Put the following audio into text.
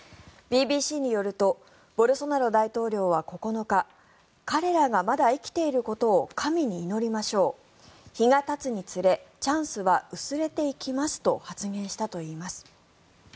ＢＢＣによるとボルソナロ大統領は９日彼らがまだ生きていることを神に祈りましょう日がたつにつれチャンスは薄れていきますと発言したといいます。